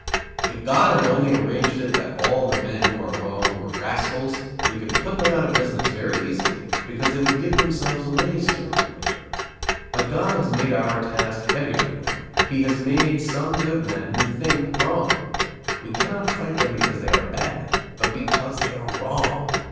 If God had only arranged it that all the men who are wrong were rascals, we could put them out of business very easily, because they would give themselves away sooner or later; but God has made our task heavier than that, he has made some good men who think wrong. We cannot fight them because they are bad, but because they are wrong.